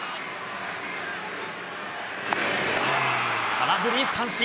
空振り三振。